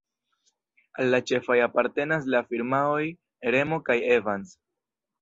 Al la ĉefaj apartenas la firmaoj "Remo" kaj "Evans".